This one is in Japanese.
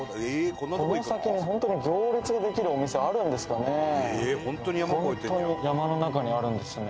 この先に本当に行列ができるお店あるんですかね？